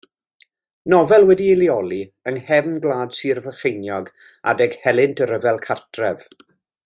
Nofel wedi'i lleoli yng nghefn gwlad Sir Frycheiniog adeg helynt y Rhyfel Cartref.